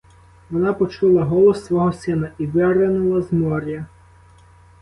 Вона почула голос свого сина і виринула з моря.